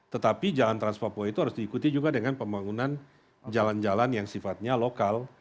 tetapi jalan trans papua itu harus diikuti juga dengan pembangunan jalan jalan yang sifatnya lokal